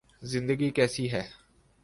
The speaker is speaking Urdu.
زندگی کیسی ہے